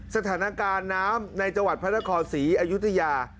สถานการณ์น้ำในจังหวัดพระนครศรีอยุธยา